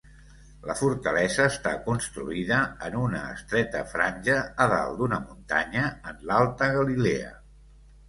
La fortalesa està construïda en una estreta franja a dalt d'una muntanya, en l'Alta Galilea.